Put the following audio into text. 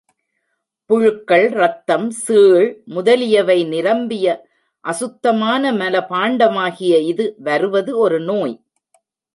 புழுக்கள், ரத்தம், சீழ் முதலியவை நிரம்பிய அசுத்தமான மலபாண்டமாகிய இது வருவது ஒரு நோய்.